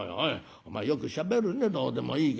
お前よくしゃべるねどうでもいいけど。